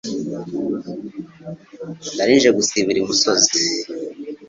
Nari nje gusibira i Musozi.